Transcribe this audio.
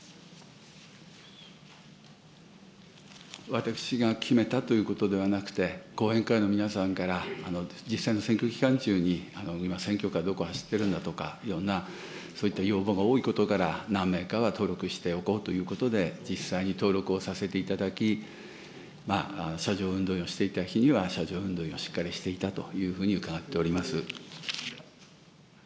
私が決めたということではなくて、後援会の皆さんから実際の選挙期間中に、今選挙カーどこ走っているんだとか、いろんなそういった要望が多いことから、何名かは登録しておこうということで、実際に登録をさせていただき、車上運動員をしていた日には、車上運動員をしっかりしていたというふうに伺っております。